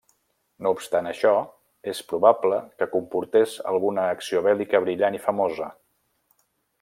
No obstant això, és probable que comportés alguna acció bèl·lica brillant i famosa.